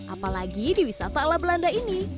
apalagi di wisata ala belanda ini